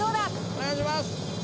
お願いします！